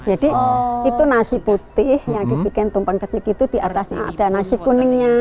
jadi itu nasi putih yang dipikirkan tumpang kecil itu diatasnya ada nasi kuningnya